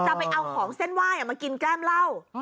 ไปเอาของเส้นไหว้มากินแก้มเหล้า